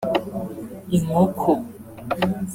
inkoko